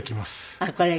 ああこれが？